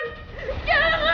pergi jangan tentu aku